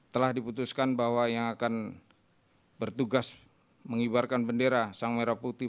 telah diputuskan bahwa yang akan bertugas mengibarkan bendera sang merah putih